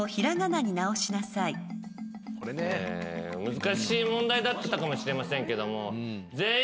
難しい問題だったかもしれませんけども。